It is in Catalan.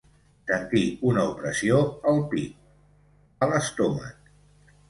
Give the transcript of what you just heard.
Sentir una opressió al pit, a l'estómac.